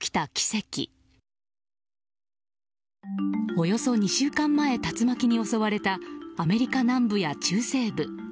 およそ２週間前竜巻に襲われたアメリカ南部や中西部。